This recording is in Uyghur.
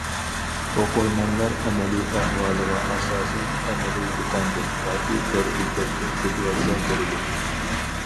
ئوقۇرمەنلەر ئەمەلىي ئەھۋالىغا ئاساسەن ئەمەلىي دۇكاندىن ياكى تور بېكەتتىن سېتىۋالسا بولىدۇ.